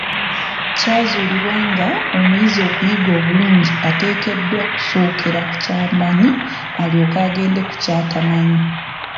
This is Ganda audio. Kyazuulibwa nga omuyizi okuyiga obulungi, ateekeddwa kusookera ku kyamanyi alyoke agende ku kyatamanyi.